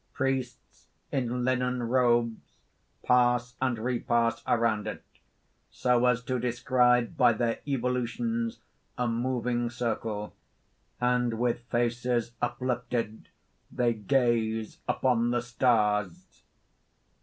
Priests in linen robes pass and repass around it, so as to describe by their evolutions a moving circle; and with faces uplifted, they gaze upon the stars.